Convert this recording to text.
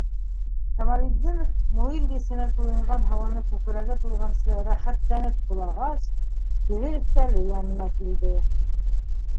Камалетдинов, муйыл еҫенә туйынған һауаны күкрәге тулғансы рәхәтләнеп һулағас, кире өҫтәле янына килде.